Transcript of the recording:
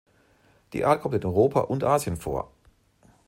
Die Art kommt in Europa und Asien vor.